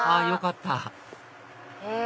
よかった！